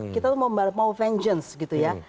kita mau vengeance gitu ya